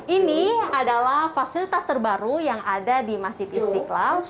ini adalah fasilitas terbaru yang ada di masjid istiqlal